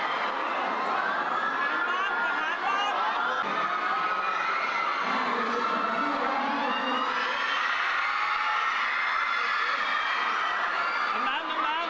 น้องน้องจะพูดหนึ่งนะครับร่างกายสูงรุ่นเสียงแรงนะครับ